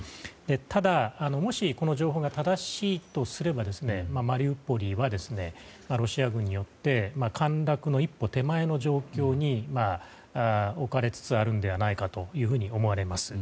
ただ、もしこの情報が正しいとすればマリウポリはロシア軍によって陥落の一歩手前の状況に置かれつつあるのではないかと思われます。